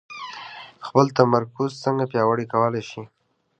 خپل تمرکز څنګه پياوړی کولای شئ؟